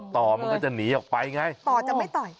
ต่อมันก็จะหนีออกไปไงต่อจะไม่ต่อย